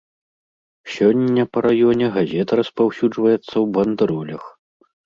Сёння па раёне газета распаўсюджваецца ў бандэролях.